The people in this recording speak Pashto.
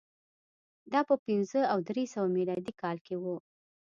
دا په پنځه او درې سوه میلادي کال کې و